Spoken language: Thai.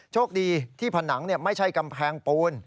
โชคดีที่ผนังไม่ใช่กำแพงปูน